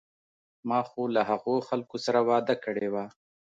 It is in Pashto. ما خو له هغو خلکو سره وعده کړې وه.